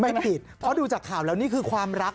ไม่ผิดเพราะดูจากข่าวแล้วนี่คือความรัก